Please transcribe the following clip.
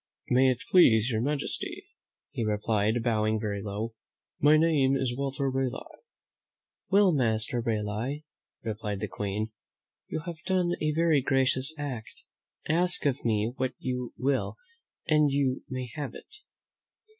"May it please your majesty," he replied, bowing very low, "my name is Walter Raleigh." "Well, Master Raleigh," replied the Queen, "you have done a very gracious act. Ask of me what you will and you may have it."